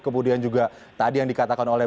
kemudian juga tadi yang dikatakan oleh